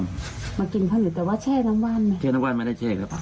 มากินข้าวเหลือแต่ว่าแช่น้ำว่านไหมแช่น้ำว่านไม่ได้แช่หรือเปล่า